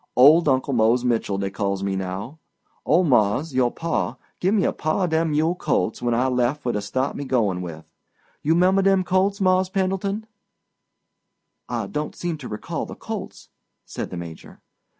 Old Uncle Mose Mitchell, dey calls me now. Old mars', your pa, gimme a pah of dem mule colts when I lef' fur to staht me goin' with. You 'member dem colts, Mars' Pendleton?" "I don't seem to recall the colts," said the Major.